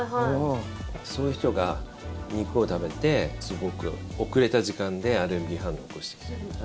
そういう人が肉を食べてすごく遅れた時間でアレルギー反応を起こすことも。